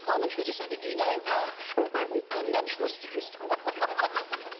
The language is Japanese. あんな目をしてる人は。